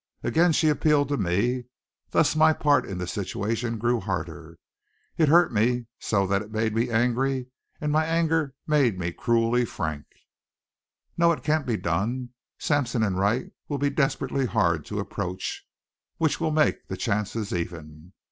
Again she appealed to me. Thus my part in the situation grew harder. It hurt me so that it made me angry, and my anger made me cruelly frank. "No. It can't be done. Sampson and Wright will be desperately hard to approach, which'll make the chances even.